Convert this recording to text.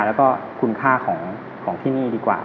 แล้วก็คุณค่าของที่นี่ดีกว่า